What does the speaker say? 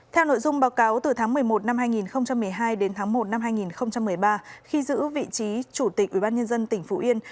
theo nội dung báo cáo từ tháng một mươi một năm hai nghìn một mươi hai đến tháng một năm hai nghìn một mươi ba khi giữ vị trí chủ tịch ubnd tỉnh phú yên